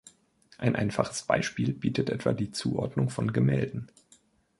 Ein einfaches Beispiel bietet etwa die Zuordnung von Gemälden.